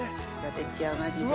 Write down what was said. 出来上がりです。